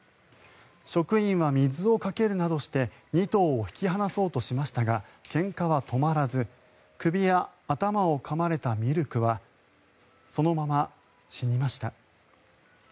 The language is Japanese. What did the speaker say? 職員は水をかけるなどして２頭を引き離そうとしましたがけんかは止まらず首や頭をかまれたミルクはそのまま死にました。